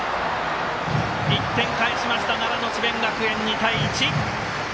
１点返しました、奈良の智弁学園２対１。